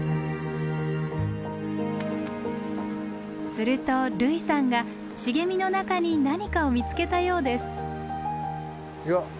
すると類さんが茂みの中に何かを見つけたようです。